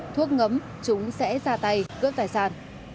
thuốc ngấm chúng sẽ ra tay cướp tài sản